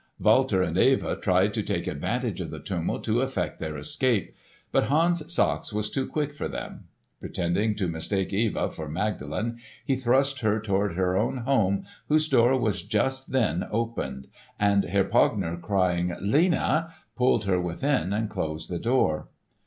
Walter and Eva tried to take advantage of the tumult to effect their escape, but Hans Sachs was too quick for them. Pretending to mistake Eva for Magdalen he thrust her toward her own home, whose door was just then opened, and Herr Pogner, crying, "Lena!" pulled her within and closed the door.